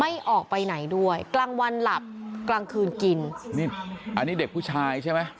ออกไปไหนด้วยกลางวันหลับกลางคืนกินนี่อันนี้เด็กผู้ชายใช่ไหม